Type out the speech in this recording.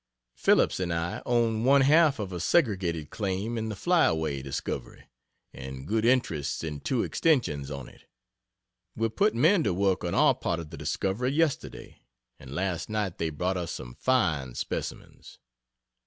Phillips and I own one half of a segregated claim in the "Flyaway" discovery, and good interests in two extensions on it. We put men to work on our part of the discovery yesterday, and last night they brought us some fine specimens.